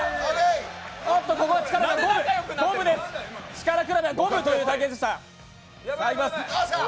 力比べは五分という対決でした。